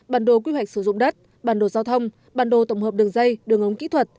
bản đồ quy hoạch sử dụng đất bản đồ giao thông bản đồ tổng hợp đường dây đường ống kỹ thuật